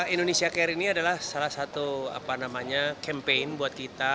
indonesia care ini adalah salah satu campaign buat kita